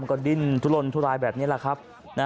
ก็ดิ้นทุลนทุรายแบบนี้แหละครับ